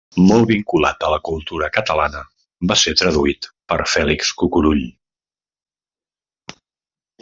Molt vinculat a la cultura catalana, va ser traduït per Fèlix Cucurull.